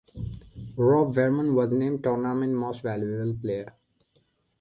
Rob Vernon was named Tournament Most Valuable Player.